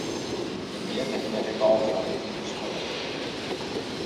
De mjitte hinget ek ôf fan it type skoech.